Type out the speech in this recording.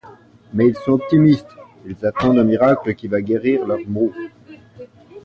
Mais ils sont optimistes, ils attendent un miracle qui va guérir leurs maux.